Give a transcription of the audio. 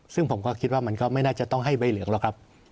ซึ่งผมก็คิดว่ามันก็ไม่น่าจะต้องให้ใบเหลืองหรอกครับ